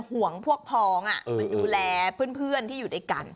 หัวพองอ่ะดูแลเพื่อนที่อยู่ด้วยกัน